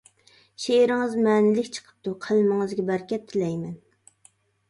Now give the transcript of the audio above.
شېئىرىڭىز مەنىلىك چىقىپتۇ، قەلىمىڭىزگە بەرىكەت تىلەيمەن.